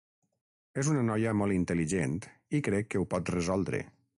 És una noia molt intel·ligent i crec que ho pot resoldre.